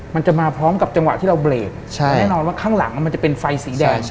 มันจะมาพร้อมกับจังหวะที่เราเบรกใช่แน่นอนว่าข้างหลังมันจะเป็นไฟสีแดงใช่ไหม